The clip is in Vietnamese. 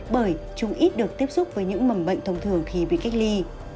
bởi chúng ít được tiếp xúc với những mầm bệnh thông thường khi bị cách ly